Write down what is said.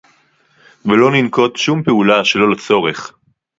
ולא ננקוט שום פעולה שלא לצורך